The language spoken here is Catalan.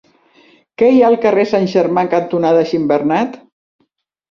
Què hi ha al carrer Sant Germà cantonada Gimbernat?